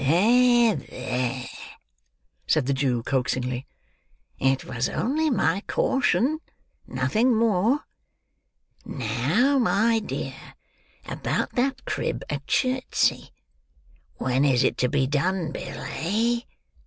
"There, there," said the Jew, coaxingly. "It was only my caution, nothing more. Now, my dear, about that crib at Chertsey; when is it to be done, Bill, eh?